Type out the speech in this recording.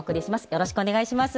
よろしくお願いします。